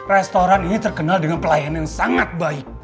restoran ini terkenal dengan pelayanan yang sangat baik